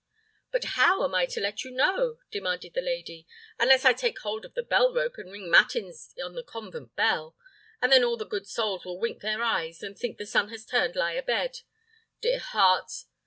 "But how am I to let you know?" demanded the lady, "unless I take hold of the bell rope, and ring matins on the convent bell; and then all the good souls will wink their eyes, and think the sun has turned lie a bed. Dear heart!